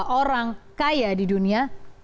orang kaya di dunia